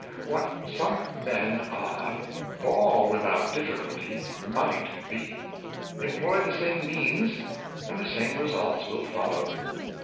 What some men are, all without difficulty, might be. Employ the same means, and the same results will fol low.